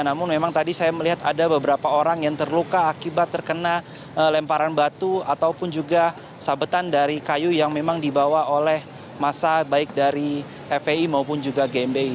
namun memang tadi saya melihat ada beberapa orang yang terluka akibat terkena lemparan batu ataupun juga sabetan dari kayu yang memang dibawa oleh masa baik dari fpi maupun juga gmbi